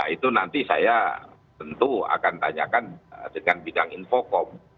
itu nanti saya tentu akan tanyakan dengan bidang infocom